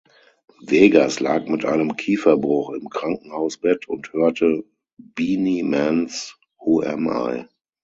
Vegas lag mit einem Kieferbruch im Krankenhausbett und hörte Beenie Mans "Who Am I".